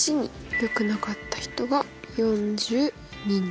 よくなかった人が４２人。